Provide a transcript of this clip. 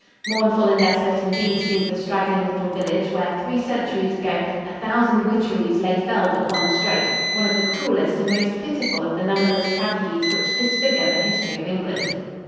Mournful and desolate indeed seemed the straggling little village where three centuries ago "a thousand witcheries lay felled at one stroke," one of the cruelest and most pitiful of the numberless tragedies which disfigure the history of England.